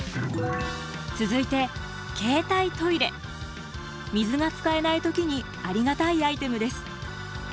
続いて水が使えない時にありがたいアイテムです。